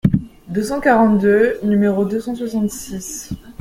deux cent quarante-deux, nº deux cent soixante-six).